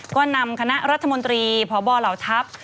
ก็นำคณะรัฐมนตรีพบเหล่าทัพ